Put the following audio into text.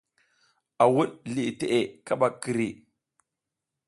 A wuɗ liʼi teʼe kaɓa kiri.